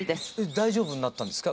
大丈夫になったんですか？